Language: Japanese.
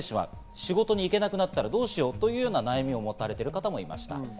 仕事に行けなくなってしまったらどうしようという悩みを持たれてる方もいました。